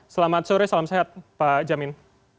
selamat sore salam sehat pak jamin